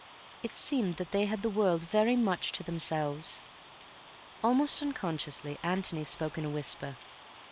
It seemed that they had the world very much to themselves. Almost unconsciously Antony spoke in a whisper.